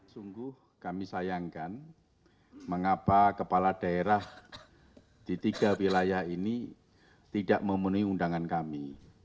sungguh kami sayangkan mengapa kepala daerah di tiga wilayah ini tidak memenuhi undangan kami